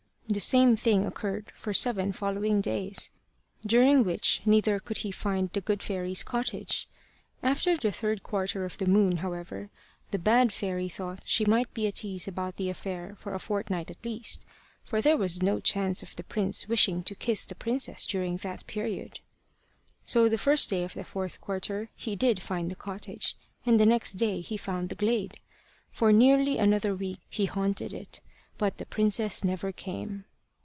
The same thing occurred for seven following days, during which neither could he find the good fairy's cottage. After the third quarter of the moon, however, the bad fairy thought she might be at ease about the affair for a fortnight at least, for there was no chance of the prince wishing to kiss the princess during that period. So the first day of the fourth quarter he did find the cottage, and the next day he found the glade. For nearly another week he haunted it. But the princess never came.